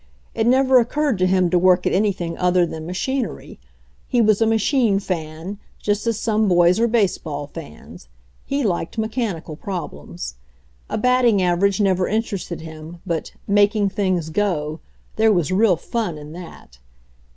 It never occurred to him to work at anything other thanr machinery. He was a machine "fan," just as some boys are baseball fans; he liked mechanical problems. A batting average never interested him, but "making things go" — there was real fun in that.